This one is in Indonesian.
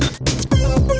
wah keren banget